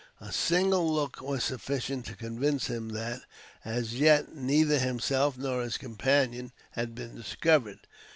A single look was sufficient to convince him that, as yet, neither himself nor his companion had been discovered.